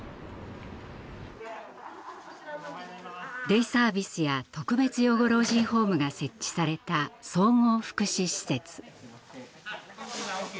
デイサービスや特別養護老人ホームが設置された総合福祉施設。